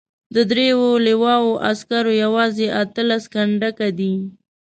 د دریو لواوو عسکر یوازې اته لس کنډکه دي.